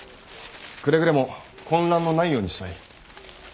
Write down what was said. くれぐれも混乱のないようにしたい。